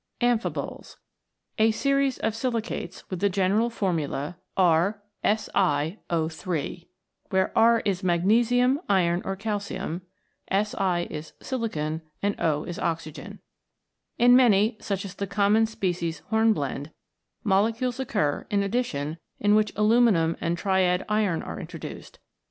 Amphiboles. A series of silicates with the general formula RSi0 3 , where R is magnesium, iron or calcium; in many, such as the common species Hornblende, molecules occur in addition in which aluminium and triad iron are introduced.